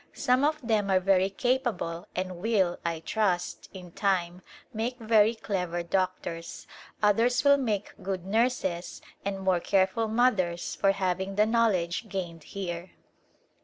Some of them are very capable and will, I trust, in time make very clever doctors ; others will make good nurses and more careful mothers for hav ing the knowledge gained here.